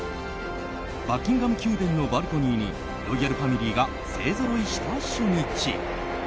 バッキンガム宮殿のバルコニーにロイヤルファミリーが勢ぞろいした初日。